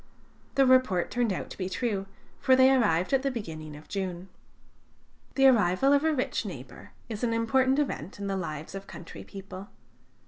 The report turned out to be true, for they arrived at the beginning of June. The arrival of a rich neighbor is an important event in the lives of country people.